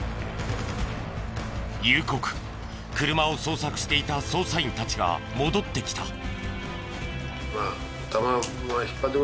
夕刻車を捜索していた捜査員たちが戻ってきた。